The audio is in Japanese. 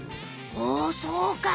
おそうか！